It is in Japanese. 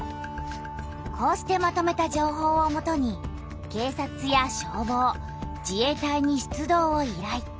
こうしてまとめた情報をもとに警察や消防自衛隊に出動を依頼。